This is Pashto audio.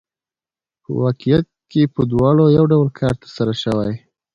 په واقعیت کې په دواړو یو ډول کار ترسره شوی